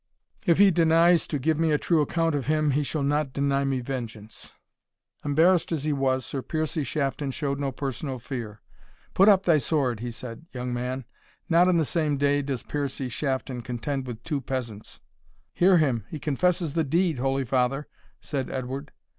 If he denies to give me a true account of him, he shall not deny me vengeance." Embarrassed as he was, Sir Piercie Shafton showed no personal fear. "Put up thy sword," he said, "young man; not in the same day does Piercie Shafton contend with two peasants." "Hear him! he confesses the deed, holy father," said Edward.